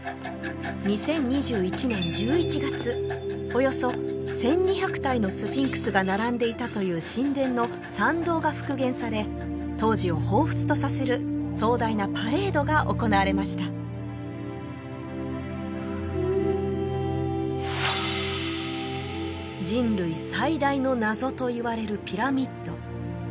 ２０２１年１１月およそ１２００体のスフィンクスが並んでいたという神殿の参道が復原され当時をほうふつとさせる壮大なパレードが行われました人類最大の謎といわれるピラミッド